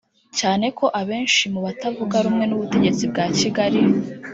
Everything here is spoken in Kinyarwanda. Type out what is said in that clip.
cyane ko abenshi mu batavuga rumwe n’ubutegetsi bwa Kigali